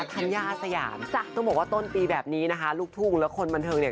กันทั่วหน้าทุกท่า